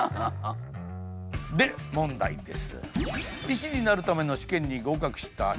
で問題です。